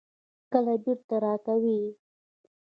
کله بیرته راکوئ؟